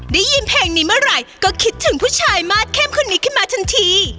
ได้ยินเพลงนี้เมื่อไหร่ก็คิดถึงผู้ชายมาสเข้มคนนี้ขึ้นมาทันที